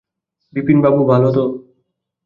বিপিনবাবু ভালো তো?